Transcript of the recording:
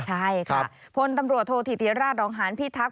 ใช่ค่ะพลตำรวจโทษธิติราชรองหานพิทักษ